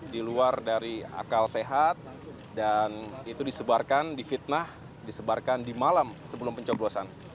di luar dari akal sehat dan itu disebarkan difitnah disebarkan di malam sebelum pencoblosan